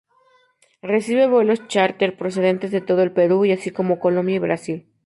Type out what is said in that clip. Recibe vuelos chárter procedentes de todo el Perú y así como Colombia y Brasil.